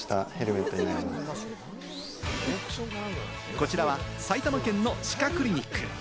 こちらは埼玉県の歯科クリニック。